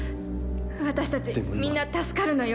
私たちみんな助かるのよ。